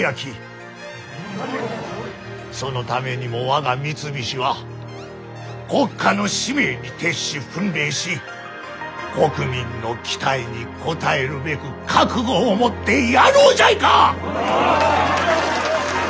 そのためにも我が三菱は国家の使命に徹し奮励し国民の期待に応えるべく覚悟を持ってやろうじゃいか！